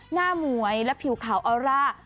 หมวยและผิวขาวออร่า